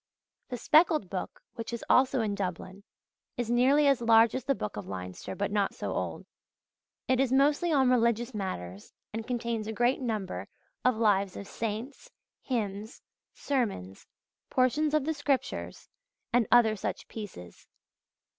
The Speckled Book, which is also in Dublin, is nearly as large as the Book of Leinster, but not so old. It is mostly on religious matters, and contains a great number of Lives of saints, hymns, sermons, portions of the Scriptures, and other such pieces.